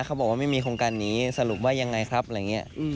เขาบอกว่าไม่มีโครงการนี้สรุปว่ายังไงครับอะไรอย่างนี้